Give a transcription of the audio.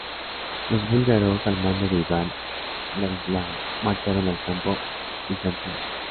Los búlgaros al mando de Iván Vladislav marcharon al campo bizantino.